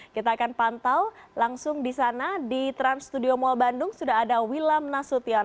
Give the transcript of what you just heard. kita akan pantau langsung di sana di trans studio mall bandung sudah ada wilam nasution